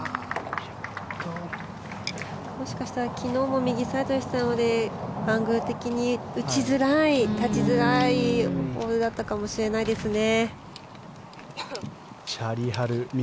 もしかしたら昨日も右サイドでしたのでアングル的に打ちづらい立ちづらいホールだったかもしれないですね。